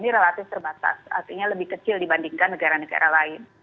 artinya lebih kecil dibandingkan negara negara lain